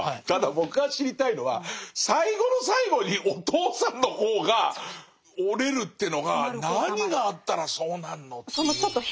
ただ僕が知りたいのは最後の最後にお父さんの方が折れるってのが何があったらそうなんのっていう。